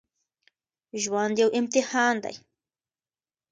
ژوند يو امتحان دی